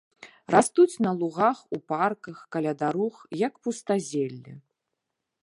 Растуць на лугах, у парках, каля дарог, як пустазелле.